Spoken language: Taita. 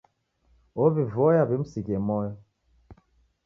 Ow'ivoya wimsighie moyo.